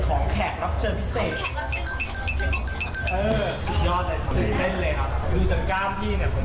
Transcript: พี่กัลบอกว่าอันนี้ใช้มือเล่นนะไม่ใช่มือเล่น